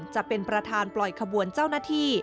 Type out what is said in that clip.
จะเป็นประธานปล่อยขบวนเจ้าหน้าที่